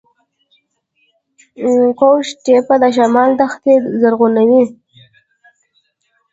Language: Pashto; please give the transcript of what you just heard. قوش تیپه د شمال دښتې زرغونوي